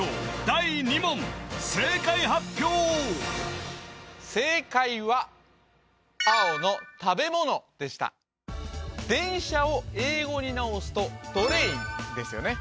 第２問正解発表正解は青の食べ物でした電車を英語に直すとトレインですよね